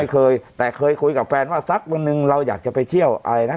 เคยแต่เคยคุยกับแฟนว่าสักวันหนึ่งเราอยากจะไปเที่ยวอะไรนะ